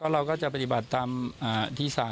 วันนำจับกับคนที่เบาะแส